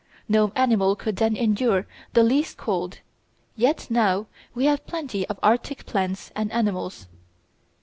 No animal could then endure the least cold, yet now we have plenty of Arctic plants and animals.